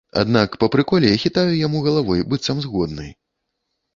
Аднак па прыколе хітаю яму галавой, быццам згодны.